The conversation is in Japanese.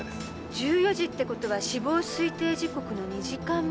１４時ってことは死亡推定時刻の２時間前。